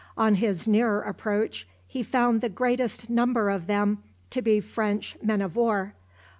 On his nearer approach he found the greatest number of them to be French men of war.